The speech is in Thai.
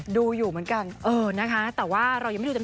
ดูอยู่เหมือนกันเออนะคะแต่ว่าเรายังไม่รู้จะ